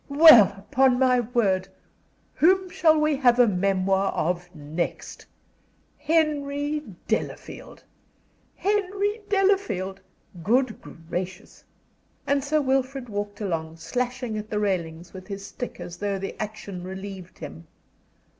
"Well, upon my word! Whom shall we have a memoir of next? Henry Delafield! Henry Delafield! Good gracious!" And Sir Wilfrid walked along, slashing at the railings with his stick, as though the action relieved him.